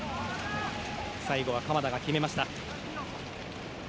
最後は鎌田が決めました。